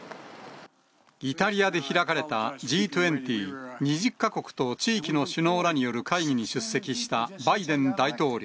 イタリアで開かれたＧ２０・２０か国と地域の首脳らによる会議に出席したバイデン大統領。